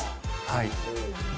はい